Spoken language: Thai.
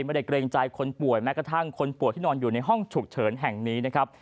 เกรงใจคนป่วยแม้กระทั่งคนป่วยที่นอนอยู่ในห้องฉุกเฉินแห่งนี้นะครับ